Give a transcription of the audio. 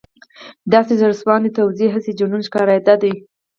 • داسې زړهسواندې توصیې، هسې جنون ښکارېده.